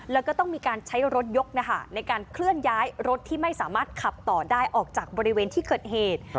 แล้วก็ต้องมีการใช้รถยกในการเคลื่อนย้ายรถที่ไม่สามารถขับต่อได้ออกจากบริเวณที่เกิดเหตุ